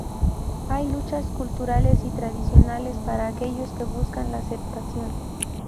Hay luchas culturales y tradicionales para aquellos que buscan la aceptación.